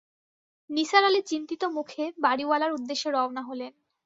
নিসার আলি চিন্তিত মুখে বাড়িওয়ালার উদ্দেশ্যে রওনা হলেন।